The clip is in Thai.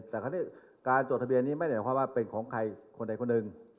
แต่คราวนี้การจดทะเบียนนี้ไม่ได้หมายความว่าเป็นของใครคนใดคนหนึ่ง